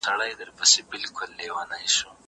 زه اوس ښوونځی ځم؟!